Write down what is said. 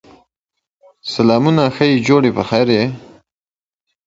Kingford Bavender is considered to have coined the term the "Shelby" knot.